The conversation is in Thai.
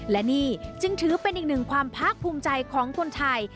และนี่จึงถือเป็นอีกหนึ่งความภาคภูมิใจของคนไทย